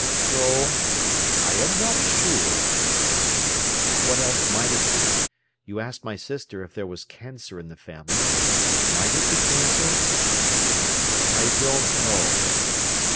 "No, I am not sure." "What else might it be? You asked my sister if there was cancer in the family. Might it be cancer?" "I don't know."